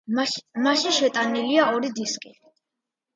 მასში შეტანილია ორი დისკი.